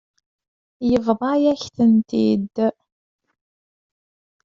Yebḍa-yak-ten-id.